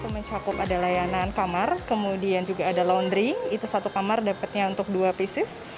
mencakup ada layanan kamar kemudian juga ada laundry itu satu kamar dapatnya untuk dua pieces